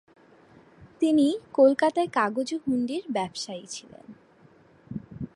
তিনি কলকাতায় কাগজ ও হুন্ডির ব্যবসায়ী ছিলেন।